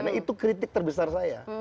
nah itu kritik terbesar saya